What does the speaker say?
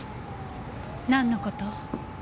なんの事？